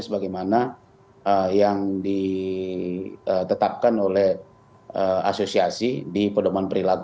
sebagaimana yang ditetapkan oleh asosiasi di pedoman perilaku